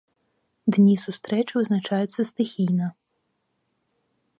Дні сустрэч вызначаюцца стыхійна.